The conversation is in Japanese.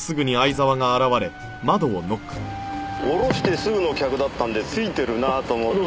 降ろしてすぐの客だったんでついてるなーと思って。